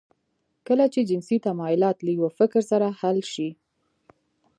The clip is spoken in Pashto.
کله چې جنسي تمایلات له یوه فکر سره حل شي